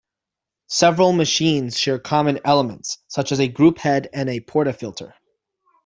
Several machines share some common elements, such as a grouphead and a portafilter.